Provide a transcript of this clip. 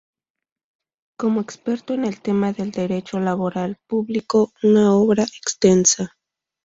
Como experto en el tema del derecho laboral, publicó una obra extensa.